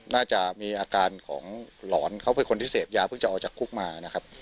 น่าจะมีอาการของหลอนเขาเป็นคนที่เสพยาเพิ่งจะออกจากคุกมานะครับ